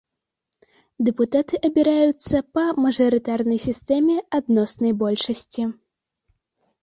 Дэпутаты абіраюцца па мажарытарнай сістэме адноснай большасці.